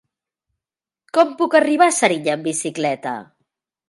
Com puc arribar a Serinyà amb bicicleta?